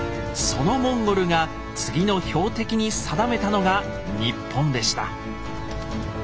そのモンゴルが次の標的に定めたのが日本でした。